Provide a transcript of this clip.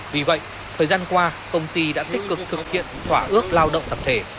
vì vậy thời gian qua công ty đã tích cực thực hiện thỏa ước lao động tập thể